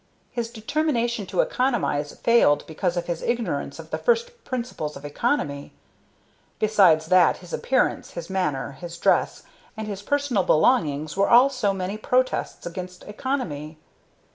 His determination to economize failed because of his ignorance of the first principles of economy. Besides that, his appearance, his manner, his dress, and his personal belongings were all so many protests against economy.